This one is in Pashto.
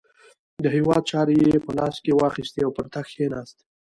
د هیواد چارې یې په لاس کې واخیستې او پر تخت کښېناست.